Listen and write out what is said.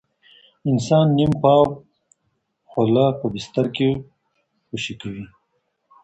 انسان نیم پاوه خوله په بستر کې خوشې کوي.